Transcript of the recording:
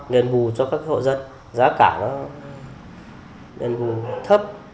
đền bù cho các hộ dân giá cả nó đền bù thấp